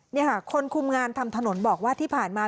นี่ค่ะคนคุมงานทำถนนบอกว่าที่ผ่านมา